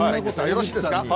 よろしいですか。